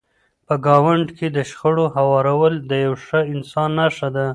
په ګاونډ کې د شخړو هوارول د یو ښه انسان نښه ده.